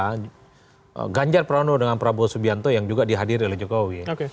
karena ganjar pranowo dengan prabowo subianto yang juga dihadiri oleh jokowi